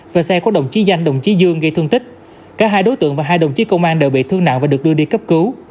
về xe của đồng chí danh đồng chí dương gây thương tích cả hai đối tượng và hai đồng chí công an đều bị thương nặng và được đưa đi cấp cứu